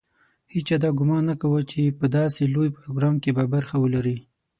هېچا دا ګومان نه کاوه چې په داسې لوی پروګرام کې به برخه ولري.